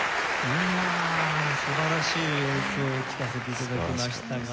いや素晴らしい演奏を聴かせて頂きましたが。